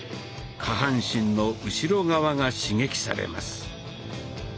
下半身の後ろ側が刺激されます。